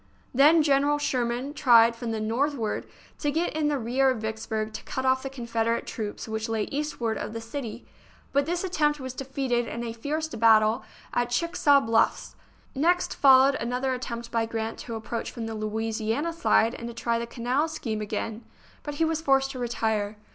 Then General Sherman tried from the north ward to get in the rear of Vicksburg to cut off the Confederate troops which lay eastward of the city; but this attempt was defeated in a fierce bat tle at Chickasaw Bluffs. Next followed another attempt by Grant to approach from the Louisiana side and to try the canal scheme again, but he was forced to retire.